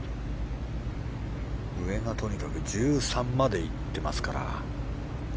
上がとにかく１３までいってますから。